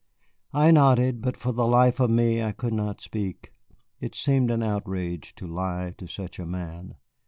I nodded, but for the life of me I could not speak. It seemed an outrage to lie to such a man.